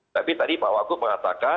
tapi tadi pak wagub mengatakan